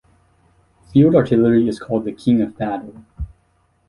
Field artillery is called the "King of Battle".